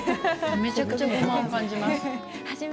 めちゃくちゃ、ごまを感じます。